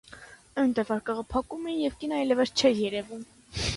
Այնուհետև արկղը փակում էին և կինն այլևս չէր երևում։